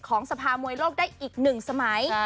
ของสภามวยโลกได้อีกหนึ่งสมัย